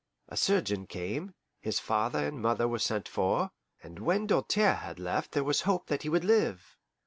A surgeon came, his father and mother were sent for, and when Doltaire had left there was hope that he would live.